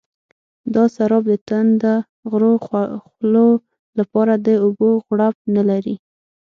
دا سراب د تنده غرو خولو لپاره د اوبو غړپ نه لري.